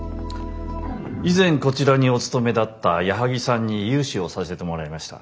以前こちらにお勤めだった矢作さんに融資をさせてもらいました。